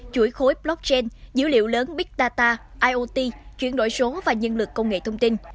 chuỗi khối blockchain dữ liệu lớn big data iot chuyển đổi số và nhân lực công nghệ thông tin